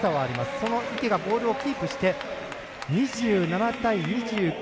その池がボールをキープして２７対２９。